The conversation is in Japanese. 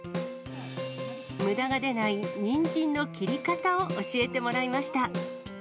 むだが出ないニンジンの切り方を教えてもらいました。